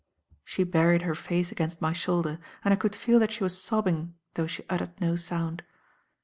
She buried her face against my shoulder, and I could feel that she was sobbing though she uttered no sound.